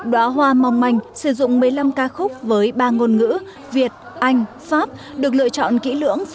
đó hoa mong manh sử dụng một mươi năm ca khúc với ba ngôn ngữ việt anh pháp được lựa chọn kỹ lưỡng